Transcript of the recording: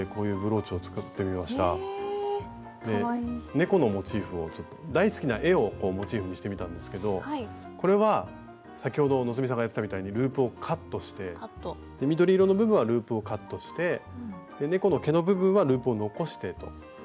猫のモチーフを大好きな絵をモチーフにしてみたんですけどこれは先ほど希さんがやってたみたいにループをカットして緑色の部分はループをカットして猫の毛の部分はループを残してと。